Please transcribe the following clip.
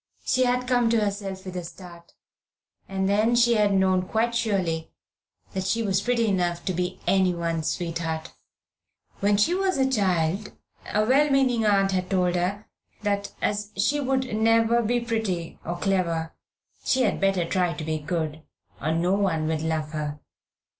She had come to herself with a start, and then she had known quite surely that she was pretty enough to be anyone's sweetheart. When she was a child a well meaning aunt had told her that as she would never be pretty or clever she had better try to be good, or no one would love her.